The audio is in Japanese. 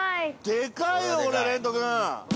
◆でかいよ、これ、れんと君！